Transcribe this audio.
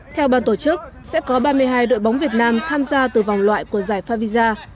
theo ban tổ chức sẽ có ba mươi hai đội bóng việt nam tham gia từ vòng loại của giải favisa